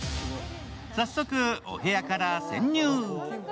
早速、お部屋から潜入。